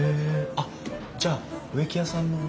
あじゃあ植木屋さんの？